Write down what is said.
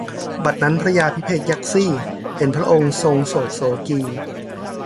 บัดนั้นพระยาภิเภกยักษี เห็นพระองค์ทรงโศกโศกี